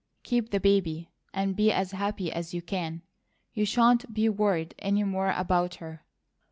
Keep the baby, and be as happy as you can. You shan't be worried any more about her.